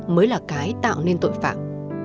mới là cái tạo nên tội phạm